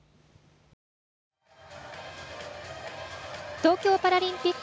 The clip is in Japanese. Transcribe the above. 東京パラリンピック